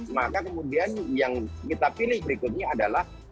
maka kemudian yang kita pilih berikutnya adalah